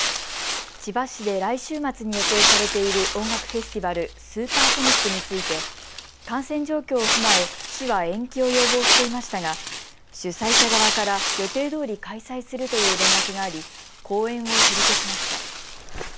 千葉市で来週末に予定されている音楽フェスティバル、スーパーソニックについて感染状況を踏まえ市は延期を要望していましたが主催者側から予定どおり開催するという連絡があり後援を取り消しました。